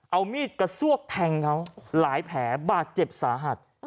เอามีดกระซวกแทงเขาหลายแผลบาดเจ็บสาหัส